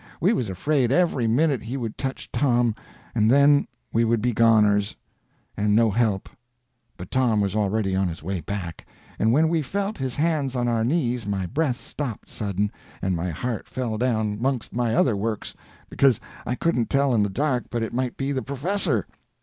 We was afraid every minute he would touch Tom, and then we would be goners, and no help; but Tom was already on his way back, and when we felt his hands on our knees my breath stopped sudden, and my heart fell down 'mongst my other works, because I couldn't tell in the dark but it might be the professor!